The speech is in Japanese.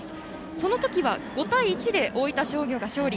その時は、５対１で大分商業が勝利。